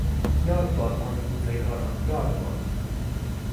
یاد باد آن روزگاران یاد باد